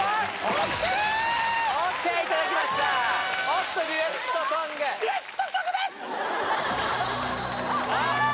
ＯＫＯＫいただきましたおっとデュエットソングデュエット曲ですああ！